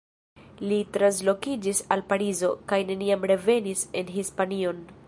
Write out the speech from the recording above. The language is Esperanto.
Li translokiĝis al Parizo, kaj neniam revenis en Hispanion.